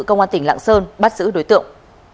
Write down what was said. công an tỉnh lạng sơn bắt giữ đối tượng